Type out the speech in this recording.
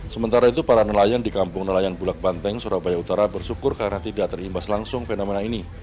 sementara itu para nelayan di kampung nelayan bulak banteng surabaya utara bersyukur karena tidak terimbas langsung fenomena ini